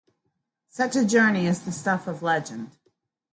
Such a journey is the stuff of legend.